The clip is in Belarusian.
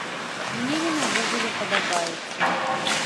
Мне ён увогуле падабаецца.